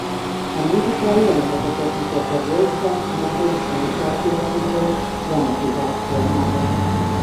A musical jeleneteket mutat be Wolfgang Amadeus Mozart életéből dramatizált formában.